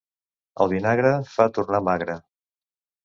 El vinagre fa tornar magre.